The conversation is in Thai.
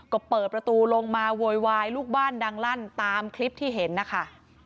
ก็เปิดประตูลงมาโวยวายลูกบ้านดังลั่นตามคลิปที่เห็นนะคะ